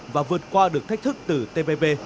và vượt qua được thách thức từ tpp